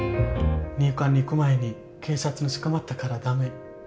入管に行く前に警察に捕まったから駄目。